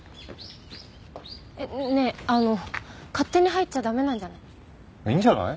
ねえあの勝手に入っちゃダメなんじゃない？いいんじゃない？